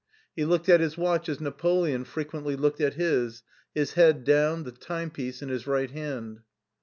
He looked at his watch as Nape* leon frequently looked at his: his head down, the timepiece in his right hand.